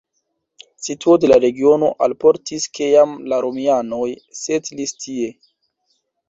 Situo de la regiono alportis, ke jam la romianoj setlis tie.